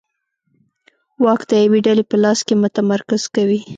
واک د یوې ډلې په لاس کې متمرکز کوي.